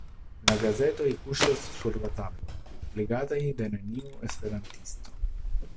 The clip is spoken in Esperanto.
La gazetoj kuŝas sur la tablo, legataj de neniu esperantisto.